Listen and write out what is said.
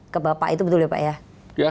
ke bapak itu betul ya pak ya